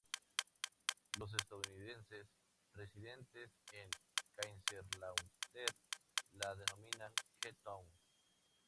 Los estadounidenses residentes en Kaiserslautern la denominan "K-Town".